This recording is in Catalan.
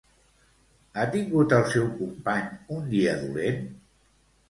Ha tingut el seu company un dia dolent?